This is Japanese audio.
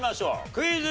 クイズ。